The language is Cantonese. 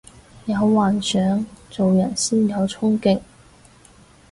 有幻想做人先有沖勁